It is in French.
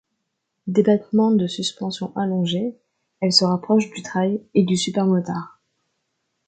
Débattements de suspensions allongés, elle se rapproche du trail et du supermotard.